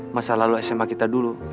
masa lalu sma kita dulu